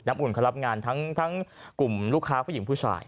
อุ่นเขารับงานทั้งกลุ่มลูกค้าผู้หญิงผู้ชาย